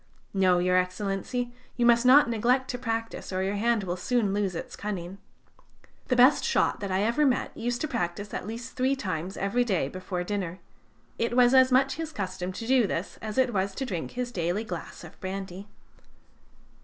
No, Your Excellency, you must not neglect to practise, or your hand will soon lose its cunning. The best shot that I ever met used to shoot at least three times every day before dinner. It was as much his custom to do this as it was to drink his daily glass of brandy."